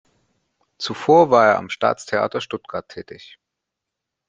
Zuvor war er am Staatstheater Stuttgart tätig.